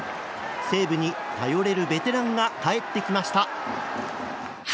西武に頼れるベテランが帰ってきました。